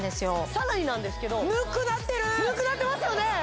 さらになんですけどぬくなってますよね？